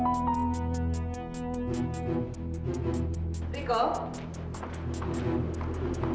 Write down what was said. saya ingin tahu apa yang kamu lakukan